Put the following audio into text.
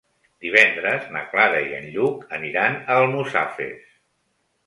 Divendres na Clara i en Lluc aniran a Almussafes.